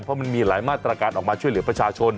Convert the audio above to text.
เพราะมันมีหลายมาตรการออกมาช่วยเหลือประชาชน